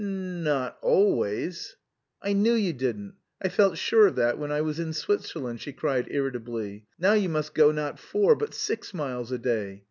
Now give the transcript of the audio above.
"N not... always." "I knew you didn't! I felt sure of that when I was in Switzerland!" she cried irritably. "Now you must go not four but six miles a day!